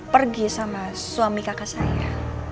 pergi sama suami kakak saya